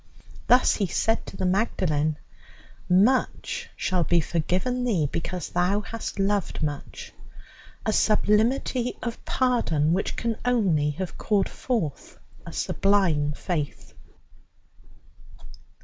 Thus he said to the Magdalen: "Much shall be forgiven thee because thou hast loved much," a sublimity of pardon which can only have called forth a sublime faith.